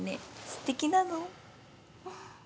すてきなの。